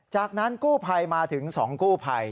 จากนั้นกู้ภัยมาถึง๒กู้ภัย